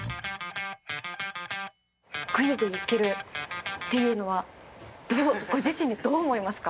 グイグイいけるっていうのはご自身でどう思いますか？